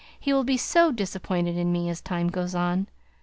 He will be so disappointed in me as time goes on.